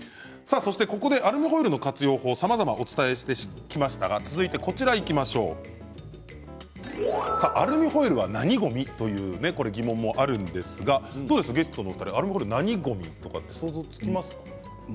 ここまでアルミホイルの活用法をさまざまお伝えしてきましたが続いてアルミホイルは何ごみ？という疑問もあると思うんですがゲストのお二人、何ごみということ想像つきますか？